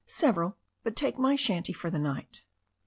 /'Several. But take my shanty for the night."